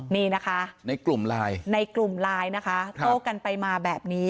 นี่นะคะในกลุ่มไลน์ในกลุ่มไลน์นะคะโต้กันไปมาแบบนี้